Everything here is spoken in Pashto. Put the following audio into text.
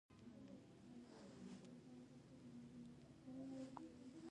بادام د افغانستان د فرهنګي فستیوالونو یوه مهمه برخه ده.